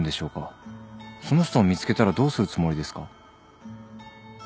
その人を見つけたらどうするつもりですか？